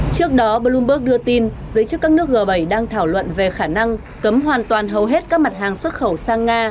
trước đó bloomberg đưa tin giới chức các nước g bảy đang thảo luận về khả năng cấm hoàn toàn hầu hết các mặt hàng xuất khẩu sang nga